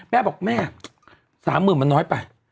แม่บอกแม่๓๐๐๐มันน้อยไป